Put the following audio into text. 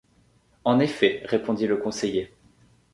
En effet, répondit le conseiller.